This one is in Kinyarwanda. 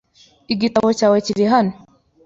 Igitabo cyawe kiri hano .